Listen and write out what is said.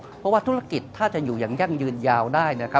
เพราะว่าธุรกิจถ้าจะอยู่อย่างยั่งยืนยาวได้